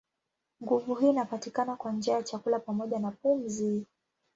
Nguvu hii inapatikana kwa njia ya chakula pamoja na pumzi.